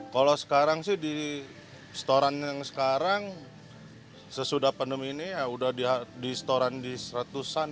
kalau sekarang sih di setoran yang sekarang sesudah pandemi ini ya udah di setoran di seratusan